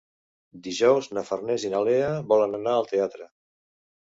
Dijous na Farners i na Lea volen anar al teatre.